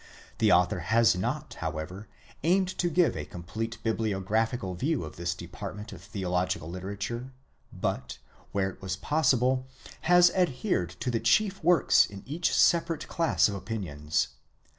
'Ihe author has not, however, aimed to give a complete biblio sraphical view of this department of theological literature, but, where it was vossible, has adhered to the chief works in each separate class of opinions.